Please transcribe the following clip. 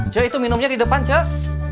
cuk itu minumnya di depan cuk